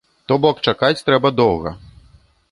То бок чакаць трэба доўга.